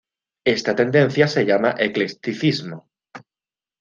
Esta tendencia se llama eclecticismo.